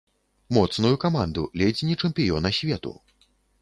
Моцную каманду, ледзь не чэмпіёна свету.